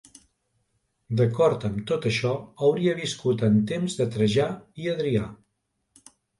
D'acord amb tot això hauria viscut en temps de Trajà i Adrià.